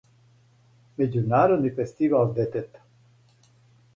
Међународни фестивал детета.